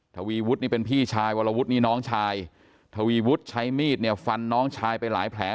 ทวีวุฒินี่เป็นพี่ชายวรวุฒินี่น้องชายทวีวุฒิใช้มีดเนี่ยฟันน้องชายไปหลายแผล